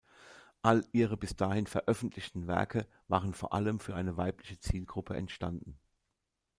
All ihre bis dahin veröffentlichten Werke waren vor allem für eine weibliche Zielgruppe entstanden.